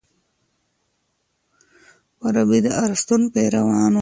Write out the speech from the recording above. فارابي د ارسطو پیروان و.